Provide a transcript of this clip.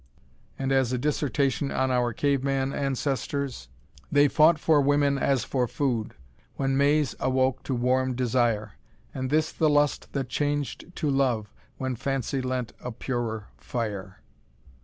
And as a dissertation on our caveman ancestors: "They fought for women as for food. When 'Mays' awoke to warm desire; And this the lust that changed to love When fancy lent a purer fire."